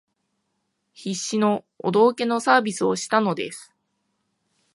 必死のお道化のサービスをしたのです